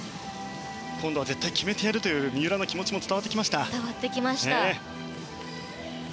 今度は絶対に決めてやるという三浦の気持ちも伝わってきました。